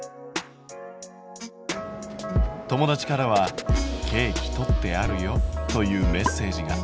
友達からは「ケーキとってあるよ」というメッセージが。